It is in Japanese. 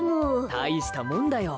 たいしたもんだよ。